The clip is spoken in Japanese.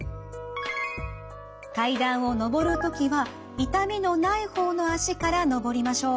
階段を上る時は痛みのない方の脚から上りましょう。